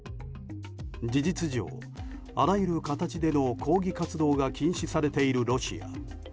事実上、あらゆる形での抗議活動が禁止されているロシア。